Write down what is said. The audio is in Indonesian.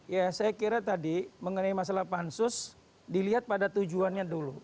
ya saya kira tadi mengenai masalah pansus dilihat pada tujuannya dulu